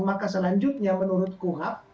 maka selanjutnya menurut kuhap